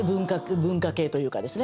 文化系というかですね。